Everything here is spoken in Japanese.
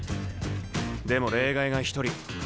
でも例外が一人。